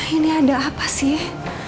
ini ada apa sih